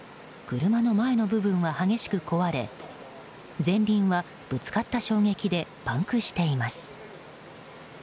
車の前の部分は激しく壊れ前輪はぶつかった衝撃でパンクしています。